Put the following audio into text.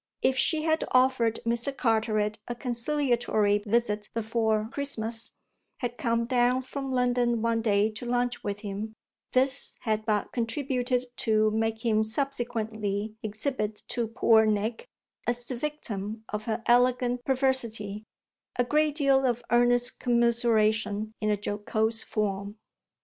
If she had offered Mr. Carteret a conciliatory visit before Christmas, had come down from London one day to lunch with him, this had but contributed to make him subsequently exhibit to poor Nick, as the victim of her elegant perversity, a great deal of earnest commiseration in a jocose form.